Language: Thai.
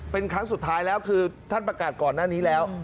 เป็นครั้งสุดท้ายแล้วคือท่านประกาศก่อนหน้านี้แล้ว